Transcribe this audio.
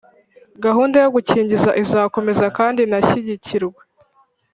gahunda yo gukingiza izakomeza kandi inashyigikirwe